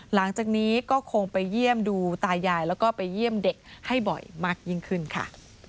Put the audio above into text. หลังจากนี้ก็คงไปเยี่ยมดูตายายแล้วก็ไปเยี่ยมเด็กให้บ่อยมากยิ่งขึ้นค่ะ